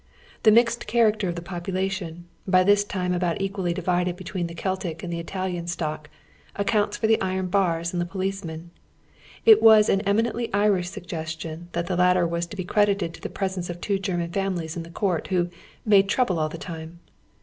The mixed character of the population, by this time about equally divided be tween the Celtic and the Italian stock, accounts for the iron bars and the policeman. It was an eminently Irish suggestion that the latter was to be credited to the pres ence of two German families in the court, who " made trouble all the time."